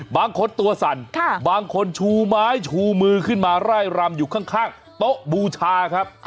บางคนตัวสั่นบางคนชูไม้ชูมือขึ้นมาไล่รำอยู่ข้างโต๊ะบูชาครับ